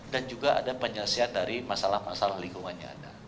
dan juga ada penyelesaian dari masalah masalah lingkungan